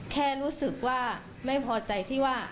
แค่รู้สึกว่าไม่พอใจที่ว่า